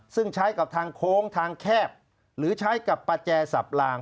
ซึ่งใช้กับทางโค้งทางแคบหรือใช้กับประแจสับลาง